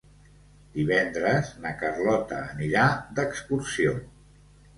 Divendres na Carlota anirà d'excursió.